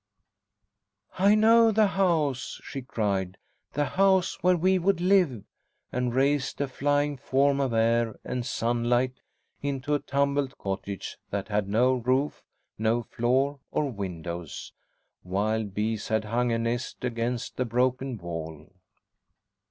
"I know the house," she cried, "the house where we would live!" and raced, a flying form of air and sunlight, into a tumbled cottage that had no roof, no floor or windows. Wild bees had hung a nest against the broken wall.